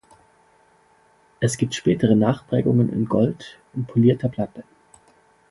Es gibt spätere Nachprägungen in Gold und Polierter Platte.